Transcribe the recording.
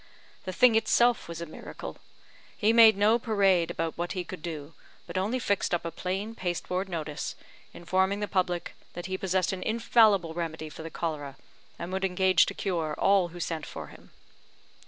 _ The thing itself was a miracle. He made no parade about what he could do, but only fixed up a plain pasteboard notice, informing the public that he possessed an infallible remedy for the cholera, and would engage to cure all who sent for him."